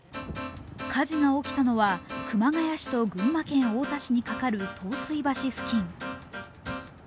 火事が起きたのは熊谷市と群馬県太田市にかかる刀水橋付近。